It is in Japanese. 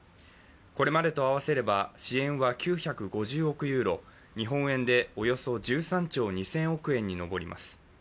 これまでと合わせれば支援は９５０億ユーロ、日本円でおよそ１３兆２０００億円にのぼります。